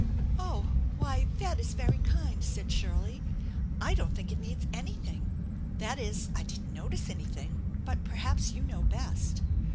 " Oh, why, that is very kind," said Shirley. I don't think it needs anything; that is, I didn't notice anything, but perhaps you know best.